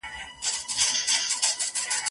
ایله چي په امان دي له واسکټه سوه وګړي